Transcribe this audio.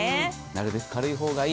なるべく軽いほうがいい。